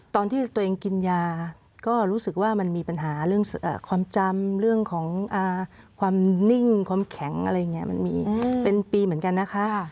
ตอนที่ตัวเองกินยาก็รู้สึกว่ามันมีปัญหาเรื่องความจำเรื่องของความนิ่งความแข็งอะไรอย่างนี้มันมีเป็นปีเหมือนกันนะคะ